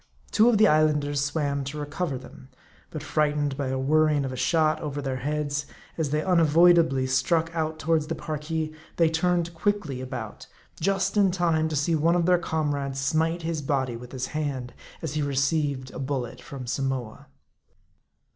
Two of the Islanders swam to recover them ; but frightened by the whirring of a shot over their heads, as they unavoid ably struck out towards the Parki, they turned quickly 92 M A R D I. about ; just in time to see one of their comrades smite his body with his hand, as he received a bullet from Samoa.